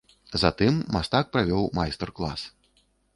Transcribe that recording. Затым мастак правёў майстар-клас.